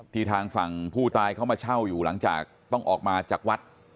ทางฝั่งผู้ตายเขามาเช่าอยู่หลังจากต้องออกมาจากวัด